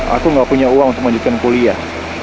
aku gak punya uang untuk melanjutkan kuliah